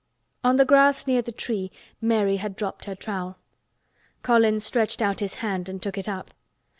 On the grass near the tree Mary had dropped her trowel. Colin stretched out his hand and took it up.